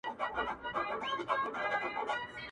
!.عبدالباري جهاني!.